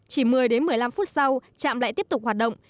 chỉ một mươi đến một mươi năm phút sau trạm lại tiếp tục hoạt động